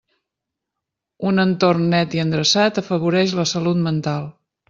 Un entorn net i endreçat afavoreix la salut mental.